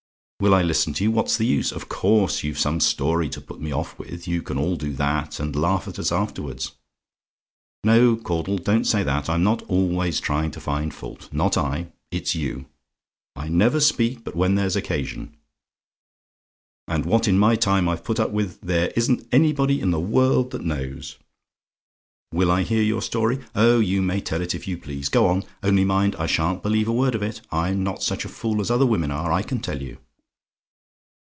"WILL I LISTEN TO YOU? "What's the use? Of course you've some story to put me off with you can all do that, and laugh at us afterwards. "No, Caudle, don't say that. I'm not always trying to find fault not I. It's you. I never speak but when there's occasion; and what in my time I've put up with there isn't anybody in the world that knows. "WILL I HEAR YOUR STORY? "Oh, you may tell it if you please; go on: only mind, I sha'n't believe a word of it. I'm not such a fool as other women are, I can tell you.